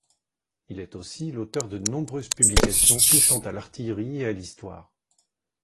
Il est aussi l'auteur de nombreuses publications touchant à l'artillerie et à l'histoire.